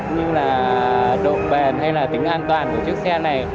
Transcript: như là độ bền hay là tính an toàn của chiếc xe này